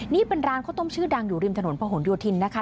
นี่เป็นร้านข้าวต้มชื่อดังอยู่ริมถนนพะหนโยธินนะคะ